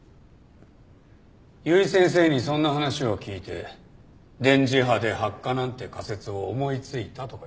由井先生にそんな話を聞いて電磁波で発火なんて仮説を思いついたとか言ったね。